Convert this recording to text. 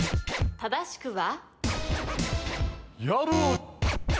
正しくは？